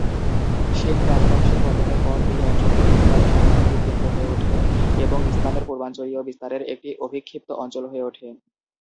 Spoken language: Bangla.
সেন রাজবংশের পতনের পর এই অঞ্চলটি ইসলামী সংস্কৃতির কেন্দ্র হয়ে ওঠে এবং ইসলামের পূর্বাঞ্চলীয় বিস্তারের একটি অভিক্ষিপ্ত অঞ্চল হয়ে ওঠে।